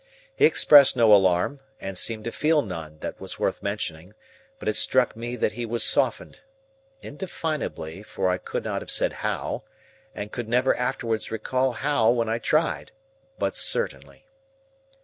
He expressed no alarm, and seemed to feel none that was worth mentioning; but it struck me that he was softened,—indefinably, for I could not have said how, and could never afterwards recall how when I tried, but certainly.